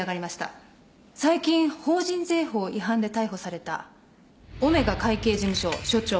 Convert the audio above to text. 最近法人税法違反で逮捕されたオメガ会計事務所所長